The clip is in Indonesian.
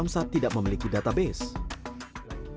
sampai saat ini pembayaran pajak kendaraan tidak bisa diakses